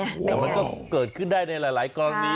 เออแต่มันก็มันก็เกิดขึ้นได้ในหลายกรองอันนี้